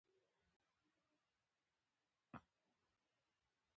د هرې ټولنې د وګړو دپاره د عمومي حقوقو زده کړه